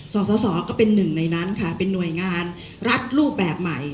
สสก็เป็นหนึ่งในนั้นค่ะเป็นหน่วยงานรัฐรูปแบบใหม่